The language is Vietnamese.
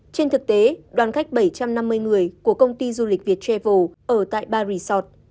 trên thực tế đoàn khách bảy trăm năm mươi người của công ty du lịch việt travel ở tại ba resort